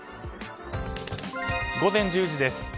午前１０時です。